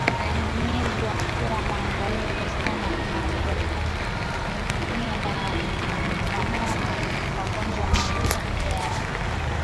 unahimizwa kuwa mwangalifu sana unapowahudumia wanyama wagonjwa na mizoga ya wanyama